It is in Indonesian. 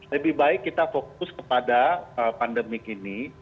lebih baik kita fokus kepada pandemik ini